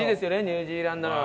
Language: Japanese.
ニュージーランドの。